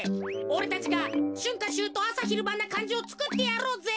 おれたちがしゅんかしゅうとうあさひるばんなかんじをつくってやろうぜ。